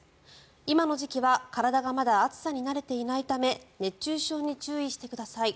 今の時期は体がまだ暑さに慣れていないため熱中症に注意してください。